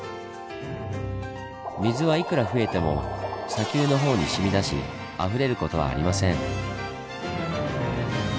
水はいくら増えても砂丘の方にしみ出しあふれる事はありません。